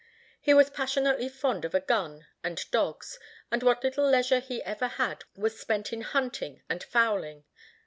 He was passionately fond of a gun and dogs, and what little leisure he ever had was spent in hunting and fowling.